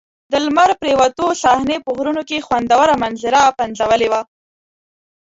د لمر پرېوتو صحنې په غرونو کې خوندوره منظره پنځولې وه.